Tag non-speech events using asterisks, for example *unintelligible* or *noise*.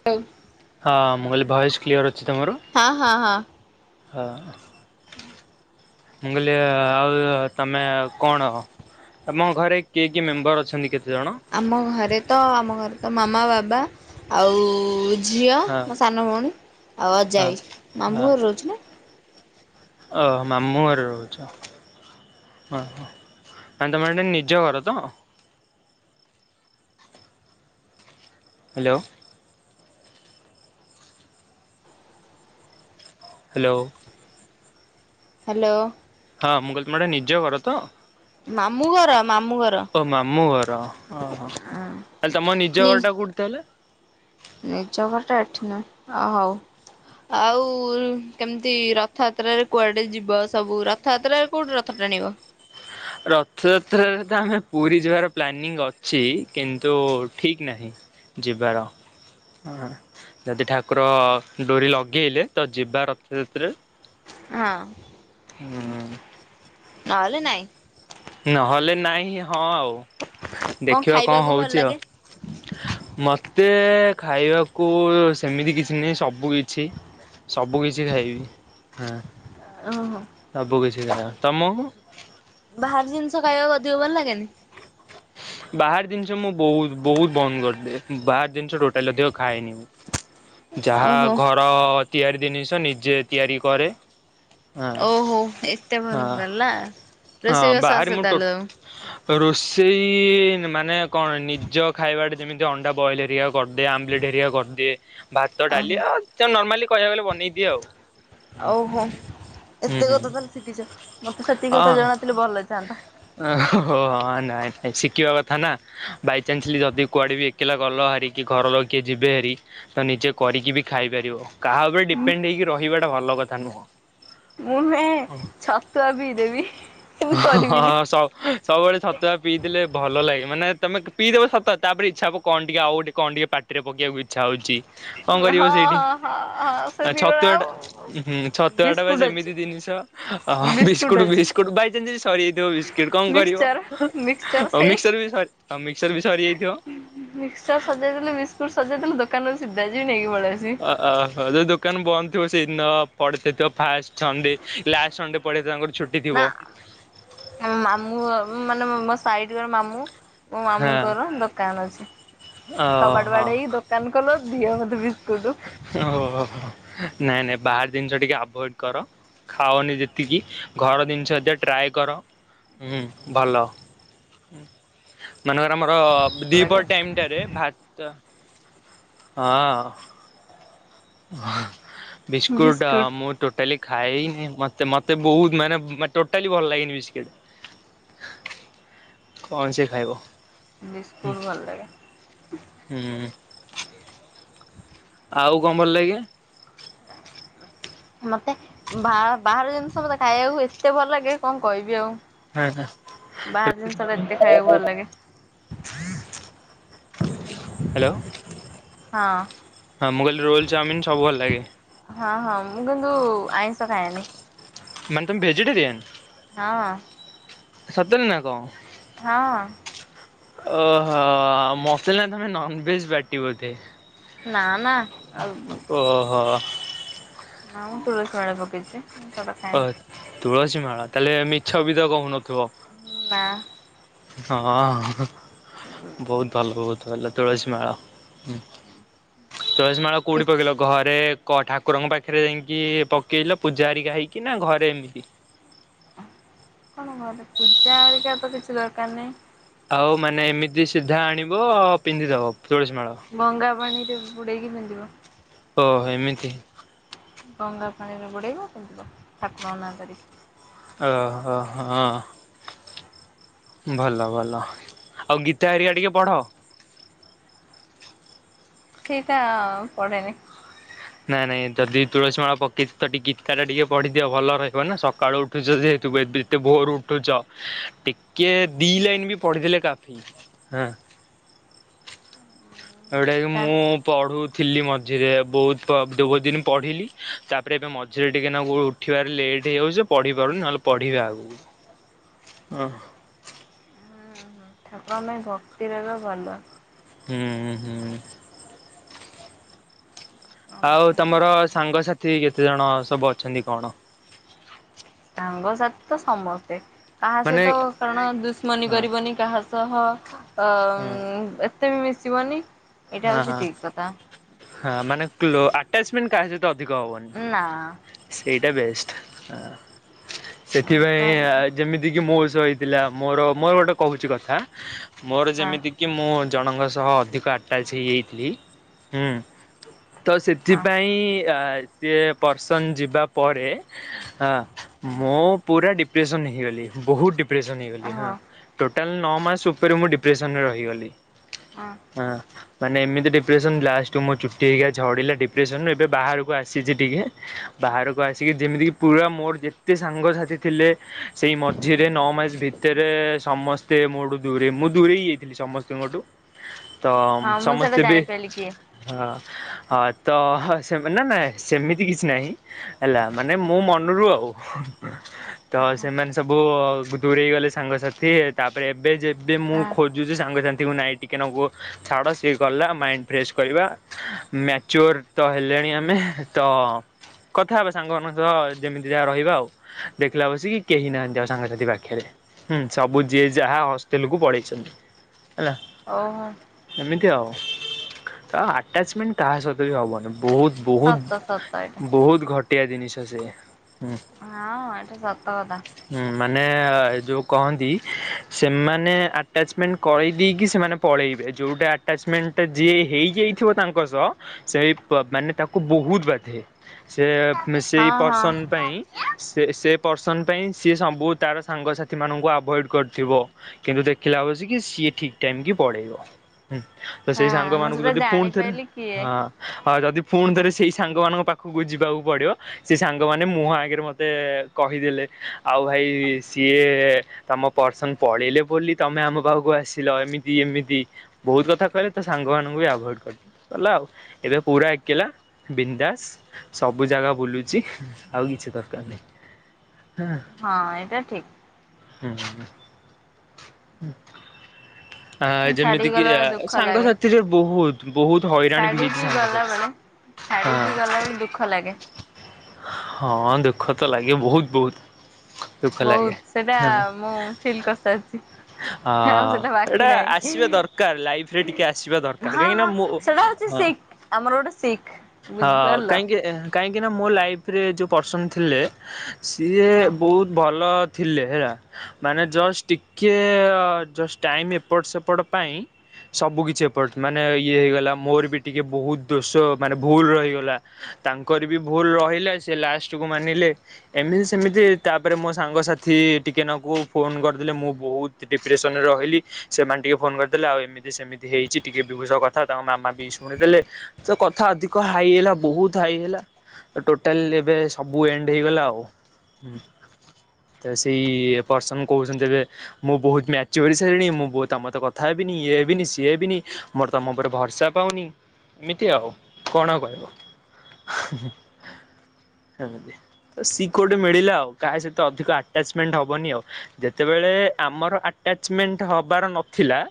*unintelligible* ହଁ ମୁଁ କହିଲ ଭଏସ୍ କ୍ଲିଅର୍ ଅଛି ତ ମୋରୋ ହଁ ହଁ। ହୁଁ। ମୁଁ କହିଲି ଆଉ ତମେ ଆଉ କଣ? ତମ ଘରେ କିଏ କିଏ ମେମ୍ବର ଅଛନ୍ତି କେତେଜଣ? ଆମ ଘରେ ତ ଆମ ଘରେ ତ ମାମା ବାବା ଆଉ ଝିଅ ହଁ ମୋ ସାନ ଭଉଣୀ ଆଉ ଅଜା ହଁ। ଆଇ ମାମୁଁ ଘରେ ରହୁଛି ନା। ଓ ମାମୁଁ ଘରେ ରହୁଛ। ଅ ହଁ ଆଣ୍ଡାମାନ ରେ ନିଜ ଘର ତ। ହ୍ୟାଲୋ। ହ୍ୟାଲୋ। ହ୍ୟାଲୋ। ହଁ ମୁଁ କହିଲି ଏଟା ତୁମ ନିଜ ଘର ତ। ମାମୁଁ ଘର ମାମୁଁ ଘର। ଓ ମାମଁ ଘର ଓହ ତାହାଲେ ତମ ନିଜ ନି ଘର ଟା କୋଠି ତାହାଲେ? ନିଜ ଘରଟା ଏଠି ନୁହଁ ଆଉ ହଉ। ଆଉ କେମିତି ରଥଯାତ୍ରାରେ କୁଆଡେ ଯିବ ସବୁ ରଥଯାତ୍ରାରେ କୋଉଠି ରଥ ଟାଣିବ? ରଥଯାତ୍ରାରେ ତ ଆମେ ପୁରୀ ଯିବାର ପ୍ଲାନିଂ ଅଛି କିନ୍ତୁ ଠିକ ନାହିଁ। ଯିବାର ହଁ। ଯଦି ଠାକୁର ଡୋରି ଲଗେଇଲେ ତ ଯିବା ରଥଯାତ୍ରାରେ। ହଁ ହୁଁ ନହଲେ ନାଇଁ। ନହଲେ ନାଇଁ ହଁ ଆଉ ଦେଖିବା କଣ ଖାଇବାକୁ ଭଲ ହଉଛି ଆଉ। ଲାଗେ? ମତେ ଖାଇବାକୁ ସେମିତି କିଛି ନାହିଁ ସବୁ କିଛି ସବୁ କିଛି ଖାଇବି ହଁ। ଓହୋ। ସବ କିଛି ଖା ତମକୁ? ବାହାର ଜିନଷ ଖାଇବାକୁ ଅଧିକ ଭଲ ଲାଗେନି। ବାହାର ଜିନିଷ ମୁଁ ବହୁତ ବହୁତ ବନ୍ଦ କରିଦିଏ ବାହାର ଜିନିଷ ଟୋଟାଲ ଅଧିକ ଖାଏନି ମୁଁ। ଯାହା ଓହୋ। ଘର ତିଆରି ଜିନିଷ ନିଜେ ତିଆରି କରେ। ହଁ। ଓହୋ ଏତେ ଭଲ ହଁ ତାହେଲେ ନା ହଁ ରୋସେଇବାସ ବାହାରେ ଆସେ ମୁଁ ଟୋ ତାଲା ତମ ରୋଷେଇ ମାନେ କଣ ନିଜ ଖାଇବା ଟା ଯେମିତି ଅଣ୍ଡା ବଏଲ୍ ହେରିକା କରିଦିଏ ଆମ୍ଲେଟ୍ ହେରିକା କରିଦିଏ ଭାତ ଓହୋ। ଡାଲି ଆଉ ତ ନର୍ମାଲି କହିବାକୁ ଗଲେ ବନେଇଦିଏ ଆଉ। ଆଉ ହୋ ହୁଁ ଏତେ ହୁଁ କଥା ତାହେଲେ ଶିଖିଛ ମତେ ସେତିକି କଥା ଜଣାଥିଲି ଭଲ ହେଇଥାନ୍ତା। ଅ ହୋ ହଁ ନା। ଶିଖିବା କଥା ନା ବାଇଚାନ୍ସଲି ଯଦି କୁଆଡ଼େ ବି ଏକଲା ଗଲ ହରିକି ଘର କିଏ ଯିବେ ହାରି ତ ନିଜେ କରିକି ବି ଖାଇପାରିବ କାହା ଉପରେ ଡିପେଣ୍ଡ ହେଇକି ରହିବାଟା ଭଲ କଥା ନୁହଁ। ମୁଁ ନୁହେଁ ଛତୁଆ ପିଇ ଦେବି ହିଁ ମୁଁ କରିବିନି। ହସ। ସବୁବେଳେ ଚତୁ ପିଇ ଦେଲେ ଭଲ ଲାଗେ ମାନେ ତମେ ପିଇଦବ ସତ ତାପରେ ଇଚ୍ଛା ହବ କଣ ଟିକେ ଆଉ ଗୋଟେ କଣ ଟିକେ ପାଟିରେ ପକେଇବି। ଇଚଛା ହଉଛି କଣ ହଁ କରିବ ସେଇଠି ହଁ ହଁ ହଁ ଆ ସେତିକିବେଳେ ଆଉ ଛତୁଆଟା ହୁ ହୁ। ଛତୁଆଟା ବା ବିସ୍କୁଟ ଅଛି ସେମିତି ଜିନିଷ ବିସ୍କୁଟ ବିସ୍କୁଟ ବାଇଚନ୍ସ ସରିଯାଇଥିବ ବିସ୍କୁଟ୍ କଣ କରିବ? ମିକ୍ସଚର ମିକ୍ସଚର ହୋଉ ସେଇ ମିକ୍ସଚର ବି ସ ମିକ୍ସଚରି ବି ସରିଯାଇଥିବ। ମିକ୍ସଚର ସରିଜାଇ ଥିଲେ ବିସ୍କୁଟ ସରିଯାଇଥିଲେ ଦୋକାନକୁ ସିଧା ଯିବି ନାଇକି ପଳାଇଆଶିବି। ଓହୋ ଯୋଉ ଦୋକାନ ବନ୍ଦ ଥିବ ସେଇଦିନ ପଡିଦେଇଥିବ ଫାଷ୍ଟ ସଣ୍ଡେ ଲାଷ୍ଟ ସଣ୍ଡେ ପଡେ ତାଙ୍କର ଛୁ ନା ମାମୁଁ ହ ମାନେ ମୋ ସାହିଟିରେ ଜଣେ ମାମୁଁ ମୋ ହଁ ମାମୁଙ୍କର ଦୋକାନ ଅଛି କବାଡ ଓହୋ ବାଡେଇକି ଦାନ ଦୋକାନ ଖୋଲ ଦିଅ ମୋତେ ବିସ୍କୁଟୁ। ଓହୋ ଓହୋ ନାଇଁ ନାଇଁ ବାହାର ଜିନିଷ ଟିକେ ଆଭଏଡ କର। ଖାଉନି ଯେତିକି ଘର ଜିନିଷ ଏ ଟ୍ରାଏ କର ହୁଁ ଭଲ ମାନେକର ଆମର ଭଲ ଲାଗେ ଦିପହର ଟାଇମି ଟାରେ ଭାତ ହଁ। ବିସ୍କୁଟ୍ ଆ ବିସ୍କୁଟ। ମୋଦ୍ ଟୋଟାଲି ଖାଇନି ମତେ ମତେ ବହୁତ ମାନେ ଟୋଟାଲି ଭଲ ଲାଗେନି ବିସ୍କୁଟ। କଣ ସେ ଖାଇବ। ବିସ୍କୁଟ ଭଲ ଲାଗେ। ହୁଁ। ଆଉ କଣ ଭଲ ଲାଗ କି? ମତେ ବା ବାହାର ଜିନିଷ ମତେ ଖାଇବାକୁ ଏତେ ଭଲ ଲାଗେ କଣ କହିବି ଆଉ। ହଁ ହୁଁ। ବାହାର ଜିନିଷ ଟା ଏତେ ଖାଇବାକୁ ଭଲ ଲାଗେ ହାଲୋ। ହଁ। ହଁ ମୁକହିଲି ରୋଲ ଚାଉମିନି ସବୁ ଭଲ ଲାଗେ? ହଁ ହଁ ମୁଁ କିନ୍ତୁ ଆଇଁଷ ଖାଇଏନି। ମାନେ ତୁମୋ ଭେଜିଟେରିୟନ? ହଁ। ସତରେ ନା କଣ? ହଁ। ଓ ଅହଃ ମତେ ଲାଗିଲା ତମେ ନନେଭେଜ ପାଟି ବୋଧେ? ନା ନା। ଆଉ ଓହୋ। ନାଁ ମ ତୁଳସୀ ମାଳି ପକେଇଛି। ମୁଁ ସେଟା ଖାଏନି ଅଛ ତୁଳସୀ ମାଳା ତାହେଲେ ମିଛ ବି ତ କହୁନଥିବ? ହୁଁ ନା। ହଁ ବହୁତ ଭଲ ବହୁଛି ଭଲ ତୁଳସି ମାଳ ତୁଳସି ମାଳ କୋଉଠି କିଛି ପକେଇବୁ? ଘରେ କ ଠାକୁରଙ୍କ ପାଖରେ ଯାଇଁକି ପକେଇଲ ପୂଜା ହେରିକା ହେଇକି ନା ଘରେ ଏମିତି? କଣ ଘରେ ପୂଜା ହେରିକା ତ କିଛି ଦରକାର ନାହିଁ। ଆଉ ମାନେ ଏମିତି ସିଧା ଆଣିବ ଆ ପିନ୍ଧିଦବ ତୁଳସୀ ମାଳ। ଗଙ୍ଗା ପାଣିରେ ବୁଡ଼େଇକି ପିନ୍ଧିବ। ଓ ଏମିତି। ଗଙ୍ଗା ପାଣିରେ ବୁଡ଼େଡେଇବ ପିନ୍ଧିବ ଠାକୁର ନାଁ ଧରିକି। ଓହୋ ହଁ। ଭଲ ଭଲ ଆଉ ଗୀତା ହେରିକା ଟିକେ ପଢ। ସେଟା ପଢ଼େନି ନାଇଁ ନାଇଁ ଯଦି ତୁଳସୀ ମାଳ ପକେଇଚ ତ ଟିକେ ଗୀତାଟା ଟିକେ ପଢିଦିଅ ଭଲ ରହିବ ନା ସକାଳୁ ଉଠୁଛହେତୁ ବେବି ଏତେ ଭୋର ଉଠୁଚ ଟିକେ ଦି ଲାଇନ ବି ପଢିଥିଲେ କାଫି। ହଁ। ହୁଁ ଜୋଉଟାଜି ମୁଁ ପଢୁଥିଲି ମଝିରେ ବହୁତ ଦ ବହୁ ଦିନ ପଢ଼ିଲି ତାପରେ ଏବେ ମଝିରେ ଟିକେ ନାଗୁ ଉଠିବାରେ ଲେଟ୍ ହେଇଯାଉଚି ପଢିପାରୁନି ନହେଲେ ପଢ଼ିବା ଆଗ ହ ଓଃ ଠାକୁରଙ୍କ ପାଇଁ ଭକ୍ତିରହିବା ଭଲ ହୁଁ ହୁଁ। ଆଉ ତମର ସାଙ୍ଗସାଥି କେତେ ଜଣ ସବୁ ଅଛନ୍ତି କଣ ସାଙ୍ଗସାଥି ତ ସମସ୍ତେ କାହା ମାନେ ସହିତ କାରଣ ଦୁଶମନୀ ହଁ କରିବନି କାହା ସହ ହଁ ଅ ଏତେ ବି ମିଶିବନି ଏଇଟା ହଁ ହଉଛି ହଁ ଠିକ କଥା। ହ ମାନେ କ୍ଲୋ ଆଟାଚମେଣ୍ଟ କାହା ସହିତ ଅଧିକ ହବନି। ନା। ସେଇଟା ବେଷ୍ଟ ହଁ ସେଥିପାଇଁ କାହା ଆ ସହିତ ଯେମିତି କିି ମୋ ସହ ହେଇଥିଲା ମୋର ମୋର ଗୋଟେ କହୁଚି କଥା ମୋର ହଁ ଯେମିତି କି ମୁଁ ଜଣଙ୍କ ସହ ଅଧିକ ଆଟାଚ୍ ହେଇଯାଇଥିଲି ହୁଁ ତ ହଁ ସେଥିପାଇଁ ଆ ସିଏ ପର୍ସନ ଯିବା ପରେ ହଁ ମୁଁ ପୁରା ଡିପ୍ରେସନ ହେଇଗଲି ବହୁତ ଡି ପ୍ରେସନ ସେଇଗଲି ହଁ ଟୋଟାଲ ନ ମାସ ଉପରେ ମୁଁ ଡିପ୍ରେସନ ରହିଗଲି। ହଁ। ହଁ। ମାନେ ଏମିତି ଡିପ୍ରେସନ ଲାଷ୍ଟ କୁ ମୋ ଚୁଟି ହେରିକା ଝଡିଲା ଡିପ୍ରେସନ ରୁ ଏବେ ବାହାରକୁ ଆସିଚି ଟିକେ ବାହାରକୁ ଆସିକି ଯେମିତି କିି ପୁରା ମୋର ଯେତେ ସାଙ୍ଗସାଥି ଥିଲେ ସେଇ ମଝିରେ ନଅ ମାସ ଭିତରେ ସମସ୍ତେ ମୋଠୁ ଦୂରେଇ ମୁଁ ଦୂରେଇ ଯାଇଥିଲି ସମସ୍ତଙ୍କଠୁ ତ ହଁ ମୁଁ ସେଇଟା ସମସ୍ତେ ଏବେ ଜାଣିପାରିଲି କିଏ। ହଁ ହଁ ତ ସେମ ନା ନା ସେମିତି କିଛି ନାହିଁ ହେଲା ମାନେ ମୋ ମନରୁ ଆଉ ତ ସେମାନେ ସବୁ ଦୂରେଇ ଗଲେ ସାଙ୍ଗସାଥି ତାପରେ ଏବେ ଯେବେ ମୁଁ ହଁ ଖୋଜୁଛି ସାଙ୍ଗସାଥିଙ୍କୁ ନାଇଁ ଟିକେ ନାଗୁ ଛାଡ଼ ଟିକେ ଗଲା ମାଇଣ୍ଡ ଫ୍ରେଶ କରିବା ମ୍ୟାଚୋର ତ ହେଲେଣି ଆମେ ତ କଥା ହେବା ସାଙ୍ଗମାନଙ୍କ ସହ ଯେମିତି ଯାହା ରହିବା ଆଉ। ଦେଖିଲା ବଳସିକି କେହି ନାହାନ୍ତି ଆଉ ସାଙ୍ଗସାଥି ପାଖରେ। ହୁଁ ସବୁ ଯିଏ ଯାହା ହଷ୍ଟେଲ କୁ ପଢେଇଛନ୍ତି ହେଲା। ଓହୋ। ନ୍ତି ଆଉ ତ ଆଟାଚମେଣ୍ଟ କାହା ସହିତ ବି ହବନି ବହୁତ ସତ ସତ ଏଇଟା ବହୁତ ବହୁତ ଘଟିଆ ଜିନିଷ ସେ ହଁ ଏଟା ସତ କଥା। ହୁଁ ମାନେ ଯୋଉ କହନ୍ତି ସେମାନେ ଆଟାଚମେଣ୍ଟ କହି ଦେଇକି ସେମାନେ ପଳେଇବେ ଯୋଉଟା। ଆଟାଚମେଣ୍ଟ ଟା ଯିଏ ହେଇଯାଇଥିବ ତାଙ୍କ ସହ ସେଇ ମାନେ ତାକୁ ବହୁତ ବାଧେ। ସେ ସେଇ ହଁ ହଁ। ପର୍ସନ ପାଇଁ। ସେ ସେ ପର୍ସନ ପାଇଁ ସିଏ ସବୁ ତାର ସାଙ୍ଗସାଥି ମାନଙ୍କୁ ଆଭଏଡ କରୁଥିବ। କିନ୍ତୁ ଦେଖିଲା ବସିକି ସିଏ ଠିକ ଟାଇମ କି ପଳେଇବ। ହୁଁ ତ ସେଇ ହଁ ମୁଁ ସାଙ୍ଗମାନଙ୍କୁ ସେଟା ଯଦି ପୁଣି ଥରେ ଜାଣିପାଇଲି କିଏ ହାଁ। ଆଉ ଯଦି ଫୁଣି ଥରେ ସେଇ ସାଙ୍ଗ ମାନଙ୍କ ପାଖକୁ ଯିବାକୁ ପଡିବ। ସେ ସାଙ୍ଗମାନେ ମୁହଁ ଆଗରେ ମତେ କହିଦେଲେ ଆଉ ଭାଇ ସିଏ। ତମ ପର୍ସନ ପଳେଇଲେ ବୋଲି ତମେ ଆମ ପାହାକୁ ଆସିଲ ଏମିତି ଏମିତି। ବହୁତ କଥା କହିଲେ ତ ସାଙ୍ଗ ମାନଙ୍କୁ ବି ଆଭଏଡ୍ କଲି। ସରିଲା ଆଉ ଏବେ ପୁରା ଏକେଲା ବିନ ଦାସ। ସବୁ ଜାଗା ବୁଲୁଛି ଆଉ କିଛି ଦରକାର ନାହିଁ। ହା ହଁ ଏଇଟା ଠିକ। ହୁଁ। ଆ ଯେମିତି ଛାଡିକି କି ଗଲାବେଳେ ଦୁଃଖ ଲାଗେ ସାଙ୍ଗସାଥିରେ ବହୁତ ବହୁତ ହଇରାଣ ବି ଛାଡିକି ହେଇଛି ସାଙ୍ଗସାଥି। ଗଲାବେଳେ ଛାଡିକି ହଁ ଗଲାବେଳେ ଦୁଃଖ ଲାଗେ। ହଁ ଦୁଃଖ ତ ଲାଗେ ବହୁତ ବହୁତ। ଦୁଖ ଲାଗେ ବହୁତ ସେଟା ହାଁ ମୁଁ ଫିଲ୍ କରିସାରିଛି। ଆଉ ସେଟା ହଁ। ବାକି ଏଇଟା ନାହିଁ ଆସିବା ଦରକାର ଲାଇଫ ରେ ଟିକେ ଆସିବା ଦରକାର ହଁ କାହିଁକି ନା ହଁ ମୋ ସେଟା ହଉଛି ହଁ। ଶିଖ ଆମର ଗୋଟେ ଶିଖ ବୁଝିପାରିଲ। ଇ ଆ କାହିଁକି ନା ମୋ ଲାଇରେ ଯୋଉ ପର୍ସନ୍ ଥିଲେ ସିଏ ହଁ। ବହୁତ ଭଲ। ଥିଲେ ହେଲା ମାନେ ଜଷ୍ଟ ଟିକେ ଜଷ୍ଟ ଟାଇମ ଏପଟ ସେପଟ ପାଇଁ। ସବୁ କିଛି ଏପଟ ମାନେ ଇଏ ହେଇଗଲା ମୋର ବି ଟିକେ ବହୁତ ଦୋଷ ମାନେ ଭୁଲ ରହିଗଲା। ତାଙ୍କର ବି ଭୁଲ ରହିଲା ସେ ଲାଷ୍ଟ କୁ ମାନିଲେ। ଏମିତି ସେମିତି ତାପରେ ମୋ ସାଙ୍ଗସାଥି ଟିକେ ନାକୁ ଫୋନ କରିଦେଲେ ମୁଁ ବହୁତ ଡିପ୍ରେସନ ରେ ଅ କହିଲି ସେମାନେ ଟିକେ ଫୋନ କରିଦେଲେ ଆଉ ଏମିତି ସେମିତି ହେଇଛି ଟିକେ ବିଭୂ ଷହ କଥା ହୋ ତାଙ୍କ ମାମା ବି ଶୁଣିଦେଲେ। ତ କଥା ଅଧିକ ହାଇ ହେଲା ବହୁତ ହାଇ ହେଲା। ତ ଟୋଟାଲ ଏବେ ସବୁ ଏଣ୍ଡ ହେଇଗଲା ଆଉ ହୁଁ। ତ ସେଇ ପର୍ସନ କହୁଛନ୍ତି ଏବେ ମୁଁ ବହୁତ ମ୍ୟାଚିଓ ମୁଁ ବହୁତ ତମ ସହିତ କଥା ହେବିନି ଇଏ ହେବନି ସିଏ ହେବନି ମୋର ତମ ଉପରେ ଭରସା ପାଉନି। ଏମିତି ଆଉ କଣ ଆଉ କହିବ ହେଁ ହେଁ ସେମତି। ତ ଶିଖ ଗୋଟେ ମିଳିଲା ଆଉ କାହା ସହିତ ଅଧିକ ଆଟାଚମେଣ୍ଟ ହବନି ଆଉ। ଯେତେବେଳେ ଆମର ଆଟାଚମେଣ୍ଟ ହବାର ନଥିଲା।